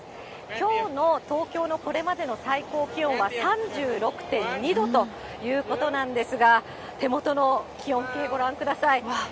きょうの東京のこれまでの最高気温は３６．２度ということなんですが、手元の気温計、ご覧ください。